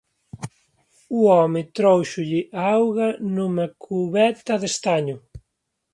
O home tróuxolle auga nunha cubeta de estaño.